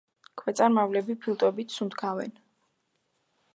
ქვეწარმავლები ფილტვებით სუნთქავენ.